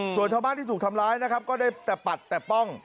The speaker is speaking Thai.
ส่วนชาวบ้านที่ถูกทำร้ายนะครับก็ได้แต่ปัดแต่ป้อง